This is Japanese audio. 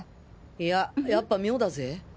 いややっぱ妙だぜ。